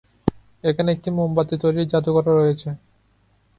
এখানে একটি মোমবাতি তৈরির জাদুঘরও রয়েছে।